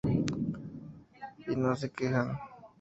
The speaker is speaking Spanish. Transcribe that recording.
Y no se quejan.